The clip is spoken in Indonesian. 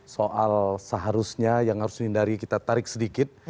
soal seharusnya yang harus dihindari kita tarik sedikit